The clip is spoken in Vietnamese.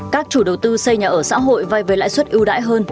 các chủ đầu tư xây nhà ở xã hội vai về lãi suất ưu đãi hơn